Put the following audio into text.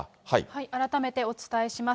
改めてお伝えします。